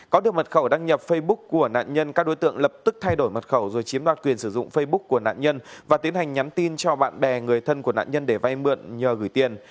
có được mật khẩu đăng nhập facebook của nạn nhân các đối tượng lập tức thay đổi mật khẩu rồi chiếm đoạt quyền sử dụng facebook của nạn nhân và tiến hành nhắn tin cho bạn bè người thân của nạn nhân để vay mượn nhờ gửi tiền